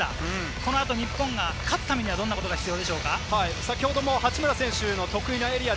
このあと日本が勝つためにはどんなことが必要ですか？